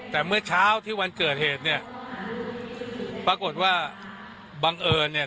แต่เมื่อเช้าที่วันเกิดเหตุเนี่ยปรากฏว่าบังเอิญเนี่ย